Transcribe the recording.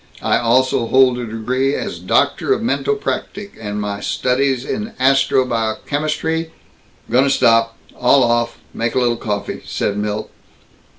I also hold a degree as doctor of mento practic, and my studies in astro biochemistry " "Gonna stop. All off. Make little coffee," said Milt.